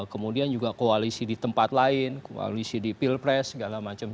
kemudian juga koalisi di tempat lain koalisi di pilpres segala macam